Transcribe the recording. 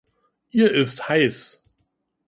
Ihr ist heiß.